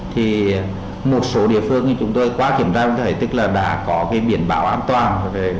thì một số địa phương như chúng tôi qua kiểm tra cũng thấy tức là đã có cái biển bão an toàn